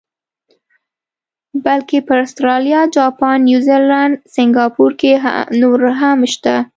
بلکې پر اسټرالیا، جاپان، نیوزیلینډ، سنګاپور کې نور هم شته.